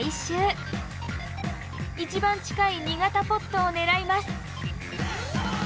一番近い２型ポットを狙います。